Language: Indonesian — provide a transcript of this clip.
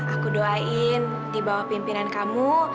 aku doain di bawah pimpinan kamu